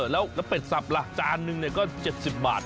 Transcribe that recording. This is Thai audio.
แล้วเป็ดสับล่ะจานนึงก็๗๐บาท